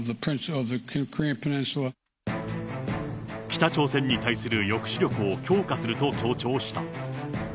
北朝鮮に対する抑止力を強化すると強調した。